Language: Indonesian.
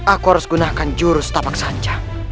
aku harus gunakan jurus tapak sanca